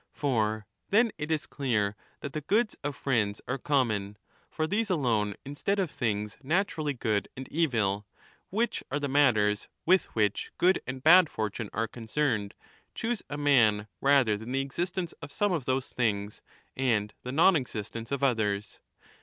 For then it is clear that the goods of friends are common (for these alone instead of things naturally good and evil — which are the matters with which good and bad fortune are concerned — choose a man rather than the existence of some of those things and the non existence of others).